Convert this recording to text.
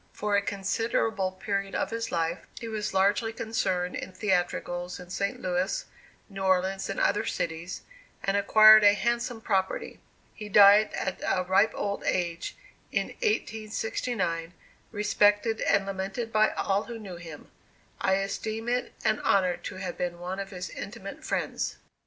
For a considerable period of his life, he was largely concerned in theatricals in St. Louis, New Orleans and other cities, and acquired a handsome property. He died at a ripe old age, in 1869, respected and lamented by all who knew him. I esteem it an honor to have been one of his intimate friends.